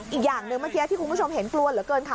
อีกอย่างหนึ่งเมื่อกี้ที่คุณผู้ชมเห็นกลัวเหลือเกินค่ะ